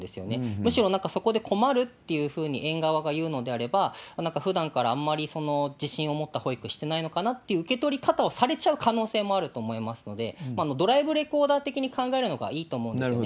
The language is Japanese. むしろ、なんかそこで困るっていうふうに園側が言うのであれば、なんかふだんからあんまり自信を持った保育してないのかなっていう受け取り方をされちゃう可能性もあると思いますので、ドライブレコーダー的に考えるのがいいと思うんですね。